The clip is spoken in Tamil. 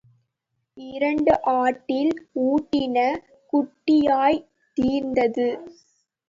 இரண்டு ஆட்டில் ஊட்டின குட்டியாய்த் தீர்ந்தது.